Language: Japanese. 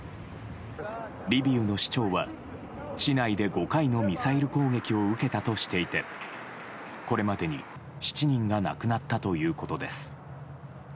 リビウの市長は市内で５回のミサイル攻撃を受けたとしていてこれまでに７人が亡くなったということです。